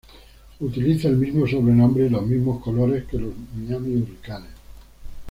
Utiliza el mismo sobrenombre y los mismos colores que los Miami Hurricanes.